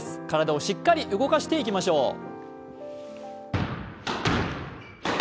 体をしっかり動かしていきましょう。